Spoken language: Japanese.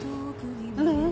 ううん。